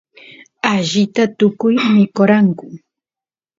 allita tukuy mikoranku